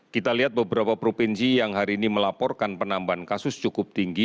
kita lihat beberapa provinsi yang hari ini melaporkan penambahan kasus cukup tinggi